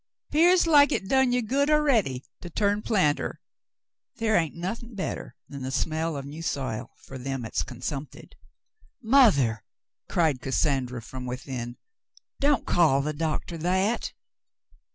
'"Pears like it's done ye good a ready to turn planter. The' hain't nothin* better'n the smell o' new sile fer them 'at's consumpted." "Mother," cried Cassandra from within, "don't call the doctor that